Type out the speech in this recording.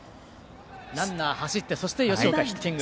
ランナー、走ってそして吉岡、ヒッティング。